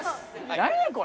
何やこれ！